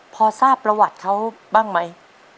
พอทราบประวัติเขาบ้างไหม